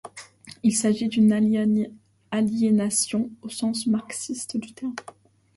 Il s'agit d'une aliénation au sens marxiste du terme.